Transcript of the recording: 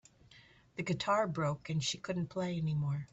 The guitar broke and she couldn't play anymore.